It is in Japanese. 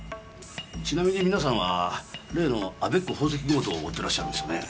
ちなみに皆さんは例のアベック宝石強盗を追ってらっしゃるんですよねえ。